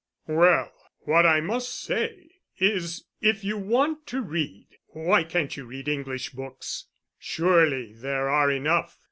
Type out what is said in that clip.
"Well, what I must say is, if you want to read, why can't you read English books? Surely there are enough.